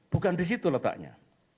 bukan di situ letaknya